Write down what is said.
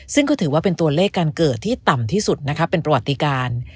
ซึ่งก็ถือว่าเป็นตัวเลขการเกิดที่ต่ำที่สุดนะคะเป็นประวัติการ